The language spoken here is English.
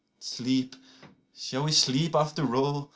39Sleep, shall we sleep after all?